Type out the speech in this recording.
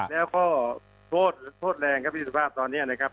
แล้วก็โทษแรงพิสุภาพตอนนี้นะครับ